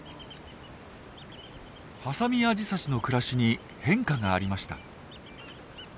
ハサミアジサシの暮らしに変化がありました。